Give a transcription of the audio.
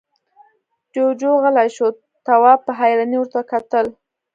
جُوجُو غلی شو، تواب په حيرانۍ ورته کتل…